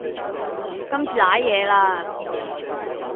今次賴嘢啦